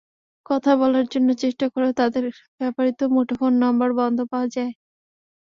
কথা বলার জন্য চেষ্টা করেও তাঁদের ব্যবহৃত মুঠোফোন নম্বর বন্ধ পাওয়া যায়।